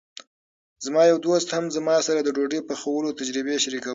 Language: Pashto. زما یو دوست هم زما سره د ډوډۍ پخولو تجربې شریکولې.